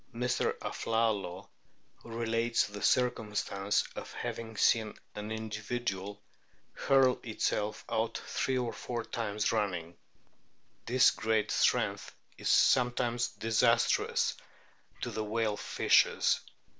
Mr. Aflalo relates the circumstance of having seen O an individual hurl itself out three or four times running. This great strength is sometimes disastrous to the whale fishers.